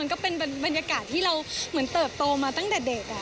ก็เป็นบรรยากาศที่เราเหมือนเติบโตมาตั้งแต่เด็ก